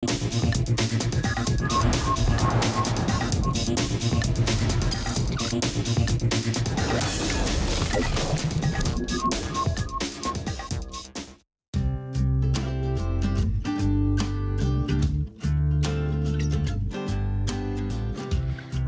มุมมม